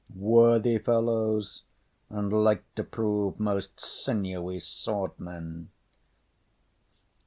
Worthy fellows, and like to prove most sinewy sword men.